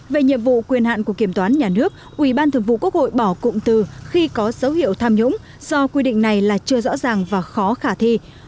về nhiệm vụ quyền hạn của kiểm toán nhà nước ubthb bỏ cụm từ khi có dấu hiệu tham nhũng do quy định này là chưa rõ ràng và khó khả thi